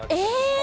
え！